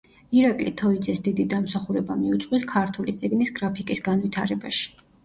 ირაკლი თოიძეს დიდი დამსახურება მიუძღვის ქართული წიგნის გრაფიკის განვითარებაში.